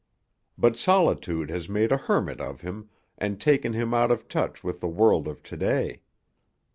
But solitude has made a hermit of him and taken him out of touch with the world of to day.